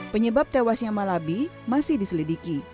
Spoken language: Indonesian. penyebab tewasnya malabi masih diselidiki